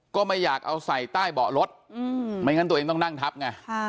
ก็ไม่อยากเอาใส่ใต้เบาะรถไม่งั้นตัวเองต้องนั่งทับไง